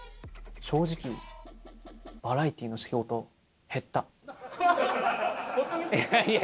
正直、バラエティーの仕事、減った。